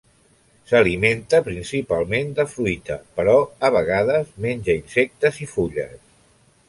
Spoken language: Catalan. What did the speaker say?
S'alimenta principalment de fruita, però a vegades menja insectes i fulles.